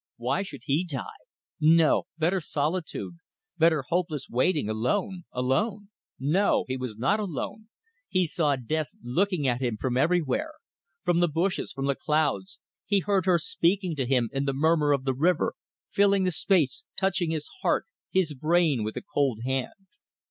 Why should he die? No! Better solitude, better hopeless waiting, alone. Alone. No! he was not alone, he saw death looking at him from everywhere; from the bushes, from the clouds he heard her speaking to him in the murmur of the river, filling the space, touching his heart, his brain with a cold hand.